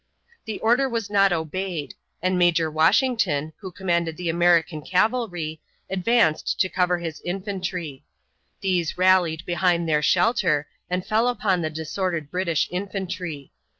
The order was not obeyed, and Major Washington, who commanded the American cavalry, advanced to cover his infantry. These rallied behind their shelter and fell upon the disordered British infantry.